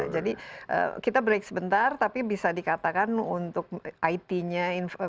jadi kita break sebentar tapi bisa dikatakan untuk it nya